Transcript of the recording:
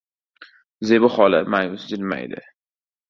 Zebi xola ma’yus jilmaydi.